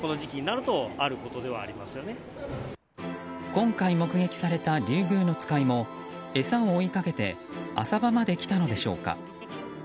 今回目撃されたリュウグウノツカイも餌を追いかけて浅場まで来たのでしょうか。